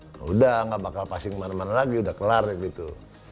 sudah nggak bakal passing kemana mana lagi udah kelar gitu